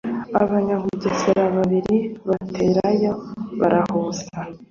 Abanyabugesera babiri baterayo barahusha